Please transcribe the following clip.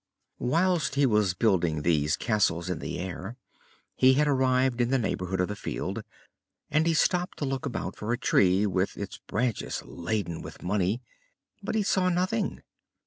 Whilst he was building these castles in the air he had arrived in the neighborhood of the field, and he stopped to look about for a tree with its branches laden with money, but he saw nothing.